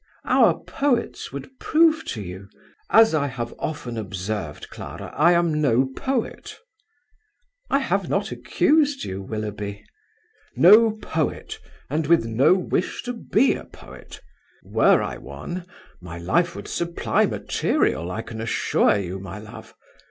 "Our poets would prove to you ..." "As I have often observed, Clara, I am no poet." "I have not accused you, Willoughby." "No poet, and with no wish to be a poet. Were I one, my life would supply material, I can assure you, my love.